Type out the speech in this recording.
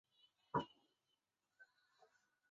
博索纳罗在圣保罗州的格利塞里乌出生。